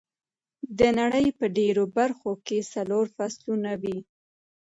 د نړۍ په ډېرو برخو کې څلور فصلونه وي.